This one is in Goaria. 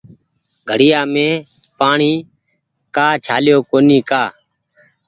گھڙيآ مين پآڻيٚ ڪآ ڇآليو ڪونيٚ ڪآ